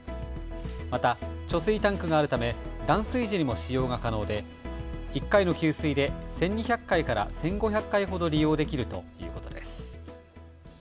また貯水タンクがあるため断水時にも使用が可能で１回の給水で１２００回から１５００回ほど利用できるということです。